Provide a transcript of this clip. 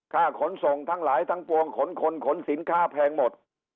ขนส่งทั้งหลายทั้งปวงขนคนขนสินค้าแพงหมด